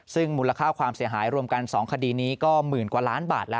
ซึ่งมูลค่าความเสียหายรวมกัน๒คดีนี้ก็๑๐๐๐๐๐๐๐บาท